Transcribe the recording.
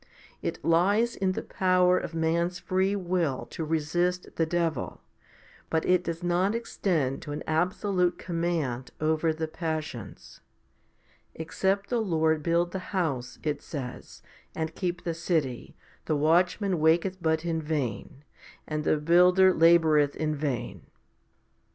It lies in the power of man's free will to resist the devil, but it does not extend to an abso lute command over the passions. Except the Lord build the house, it says, and keep the city, the watchman waketh but in vain, and the builder laboureth in vain.